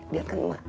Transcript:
lihat kan emak